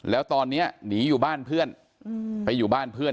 แล้วตอนนี้หนีอยู่บ้านเพื่อนไปอยู่บ้านเพื่อน